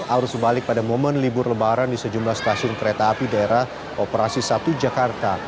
arus balik pada momen libur lebaran di sejumlah stasiun kereta api daerah operasi satu jakarta